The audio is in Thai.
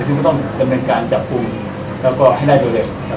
ก็ต้องเป็นการจับคุมแล้วก็ให้ได้โดยเร็ว